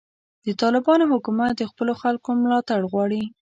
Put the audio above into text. د طالبانو حکومت د خپلو خلکو ملاتړ غواړي.